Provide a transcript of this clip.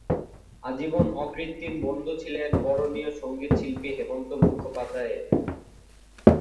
আজীবন অকৃত্রিম বন্ধু ছিলেন বরণীয় সঙ্গীতশিল্পী হেমন্ত মুখোপাধ্যায়ের।